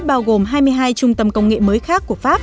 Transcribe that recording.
bao gồm hai mươi hai trung tâm công nghệ mới khác của pháp